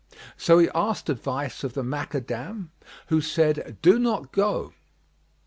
So he asked advice of the Makaddam,[FN#44] who said, "Do not go."